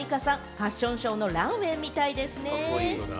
ファッションショーのランウェイみたいですね。